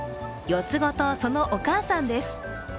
４つ子とそのお母さんです。